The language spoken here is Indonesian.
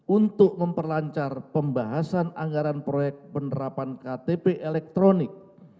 untuk memperlancar pembahasan anggaran proyek penerapan ktp elektronik